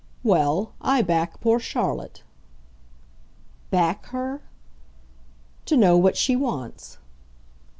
"Well, I back poor Charlotte." "'Back' her?" "To know what she wants."